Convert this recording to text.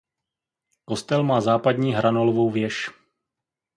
Kostel má západní hranolovou věž.